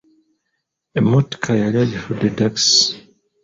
Emmottka yali agifudde takisi.